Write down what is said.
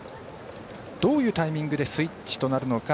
どういうタイミングでスイッチとなるのか。